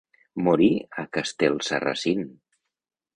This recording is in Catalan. Morí a Castelsarrasin.